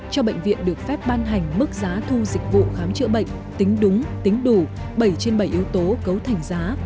cho bệnh viện được phép ban hành mức giá thu dịch vụ khám chữa bệnh tính đúng tính đủ bảy trên bảy yếu tố cấu thành giá